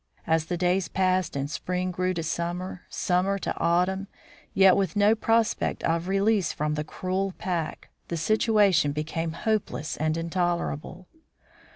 As the days passed and spring grew to summer, summer to autumn, yet with no prospect of release from the cruel pack, the situation became hopeless and intolerable.